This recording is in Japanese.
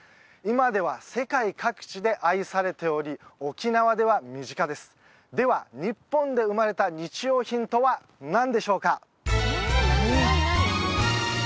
今では世界各地で愛されており沖縄では身近ですでは日本で生まれた日用品とは何でしょうか？